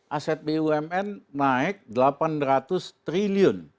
aset bumn naik rp delapan ratus triliun